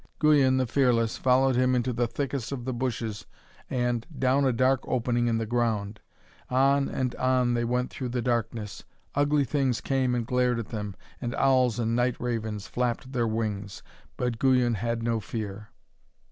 Guyon the fearless followed him into the thickest of the bushes and down a dark opening in the ground. On and on they went through the darkness. Ugly things came and glared at them, and owls and night ravens flapped their wings, but Guyon had no fear.